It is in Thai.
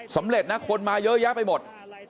สำเร็จนะคนมาเยอะแยะไปหมด